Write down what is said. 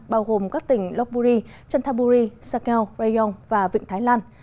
bao gồm các tỉnh lopburi chantaburi sakeo rayong và vịnh thái lan